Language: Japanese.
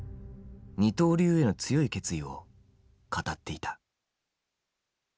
二刀流への強い決意を語っていた。